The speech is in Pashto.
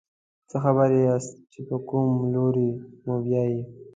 څه خبر یاست چې په کوم لوري موبیايي.